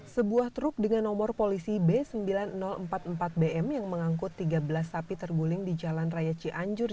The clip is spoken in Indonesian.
sebuah truk dengan nomor polisi b sembilan ribu empat puluh empat bm yang mengangkut tiga belas sapi terguling di jalan raya cianjur